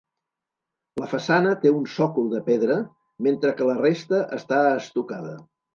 La façana té un sòcol de pedra, metre que la resta està estucada.